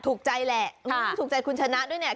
ถูกใจแหละที่ถูกใจคุณชนะด้วยเนี่ย